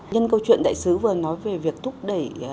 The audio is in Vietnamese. nhân câu chuyện đại sứ vừa nói về việc thúc đẩy